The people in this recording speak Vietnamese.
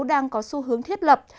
đang có xu hướng thiết lập